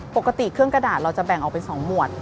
ปกติเครื่องกระดาษเราจะแบ่งออกเป็น๒หมวด